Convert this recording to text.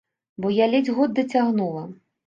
Бо я ледзь год дацягнула.